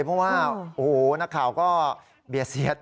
เพราะว่าโอ้โหนักข่าวก็เบียดเสียด